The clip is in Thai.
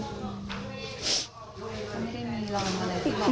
ไม่มีร้างไม่มีความรู้สึกอะไร